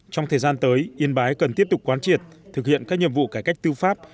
trong thời gian tới yên bái cần tiếp tục quán triệt thực hiện các nhiệm vụ cải cách tư pháp